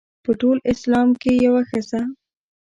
په ټول اسلام کې یوه ښځه.